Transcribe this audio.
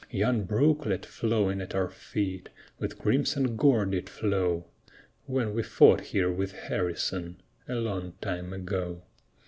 Yon brooklet flowing at our feet, With crimson gore did flow, When we fought here with Harrison, A long time ago.